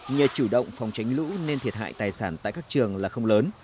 nhờ chủ động phòng tránh lũ nên thiệt hại tài sản tại các trường là không lớn